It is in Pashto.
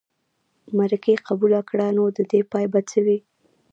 مرکې قبوله کړه نو د دې پای به څه وي.